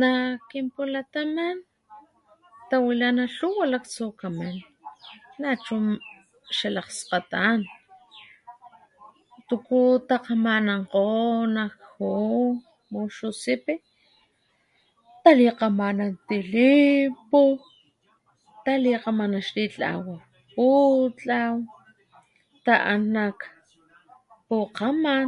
Nak kinpulataman tawilana tluwa laktsukaman nachu xalakgskgatan tuku takgamanankgo nak ju´u muxusipi talikgamanan tilimpu talikgamanan xlillhawan putlaw pukgaman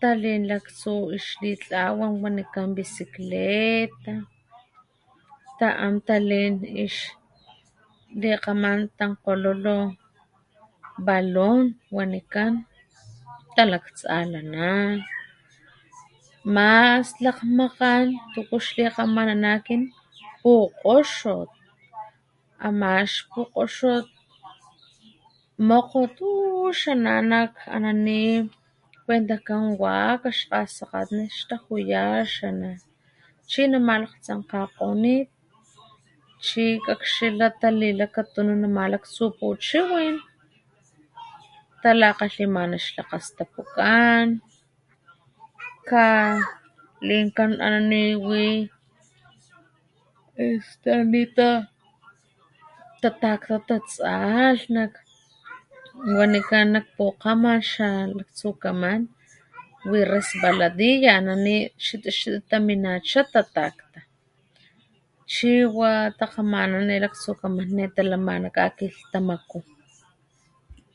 talin laktsu ix litlawat wanikan bicicleta ta´an talin ix likgaman tankgololo balon wanikan talaktasalanan mas lakgmakgan tuku xlikamanana pukgoxot ama ix pukgoxot mokgot ix ana ana ni kuentajkan waxak xtajuya ix ana´chi nama lakgtsankgakgonit chi kakxila talila nama tsupuchiwin talakgalhimana ix lakgastapukan kalinkan ana ni este wi ana ni tatakta takakxtu wanikan pukgaman wi resbaladilla ana ni xita xita taminacha ta takta chi wa takgamanan nema laktsukaman ne talamana kgakilhtamaku